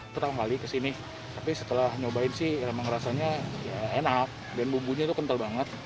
pertama kali kesini tapi setelah nyobain sih emang rasanya enak dan bumbunya itu kental banget